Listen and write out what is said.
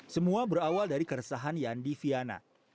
semua berawal dari keresahan yandi viana